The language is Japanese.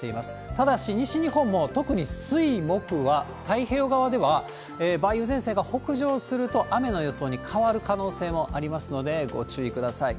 ただし、西日本も特に水、木は、太平洋側では梅雨前線が北上すると雨の予想に変わる可能性もありますので、ご注意ください。